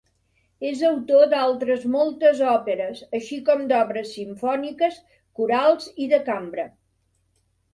És autor d'altres moltes òperes, així com d'obres simfòniques, corals i de cambra.